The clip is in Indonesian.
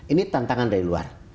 ini tantangan dari luar